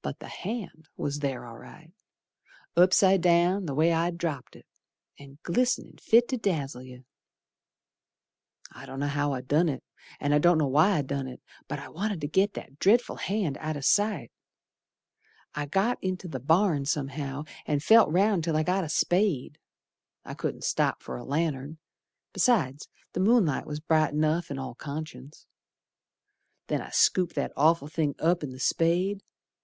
But the hand was ther all right, Upside down, the way I'd dropped it, And glist'nin' fit to dazzle yer. I don't know how I done it, An' I don't know why I done it, But I wanted to git that dret'ful hand out o' sight I got in t' th' barn, somehow, An' felt roun' till I got a spade. I couldn't stop fer a lantern, Besides, the moonlight was bright enough in all conscience. Then I scooped that awful thing up in th' spade.